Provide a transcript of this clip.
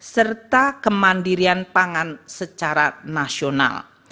serta kemandirian pangan secara nasional